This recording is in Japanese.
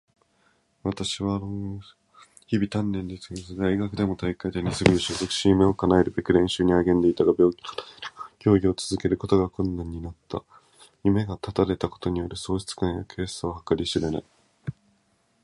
私は幼少期からプロテニスプレイヤーを志し、日々鍛錬を積んできた。大学でも体育会テニス部に所属し、夢を叶えるべく練習に励んでいたのだが、病気のため競技を続けることが困難となった。夢が断たれたことによる喪失感や悔しさは計り知れないものであった。